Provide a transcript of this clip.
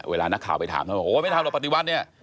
เวลานักข่าวไปถามโอ้โหไม่ทำแล้วปฏิวัตินี้